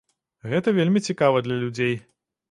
Гэта вельмі цікава для людзей.